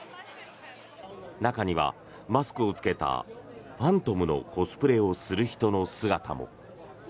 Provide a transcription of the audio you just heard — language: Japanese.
中には、マスクを着けたファントムのコスプレをする人の姿も。